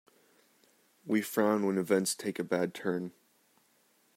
We frown when events take a bad turn.